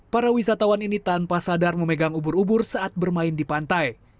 para wisatawan ini tanpa sadar memegang ubur ubur saat bermain di pantai